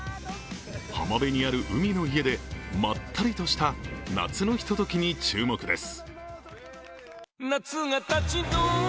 浜辺にある海の家でまったりとした夏のひとときに注目です。